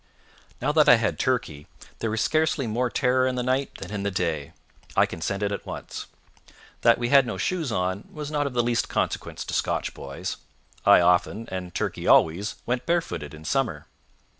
Now that I had Turkey, there was scarcely more terror in the night than in the day. I consented at once. That we had no shoes on was not of the least consequence to Scotch boys. I often, and Turkey always, went barefooted in summer.